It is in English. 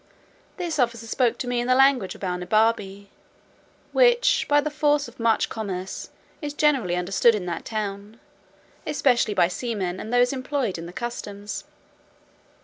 This officer spoke to me in the language of Balnibarbi, which, by the force of much commerce, is generally understood in that town, especially by seamen and those employed in the customs.